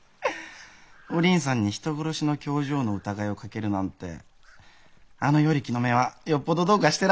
お倫さんに人殺しの凶状の疑いをかけるなんてあの与力の目はよっぽどどうかしてら。